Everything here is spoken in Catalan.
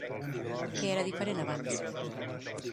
Què era diferent abans?